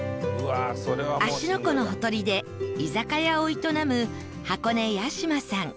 芦ノ湖のほとりで居酒屋を営む箱根屋島さん